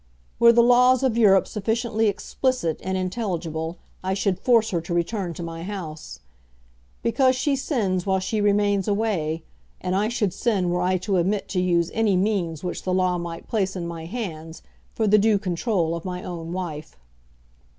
Were the laws of Europe sufficiently explicit and intelligible I should force her to return to my house, because she sins while she remains away, and I should sin were I to omit to use any means which the law might place in my hands for the due control of my own wife.